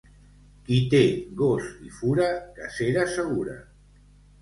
Qui té gos i fura, cacera segura.